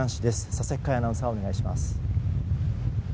佐々木快アナウンサーお願いします。